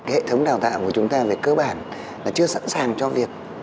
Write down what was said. hệ thống đào tạo của chúng ta về cơ bản là chưa sẵn sàng cho việc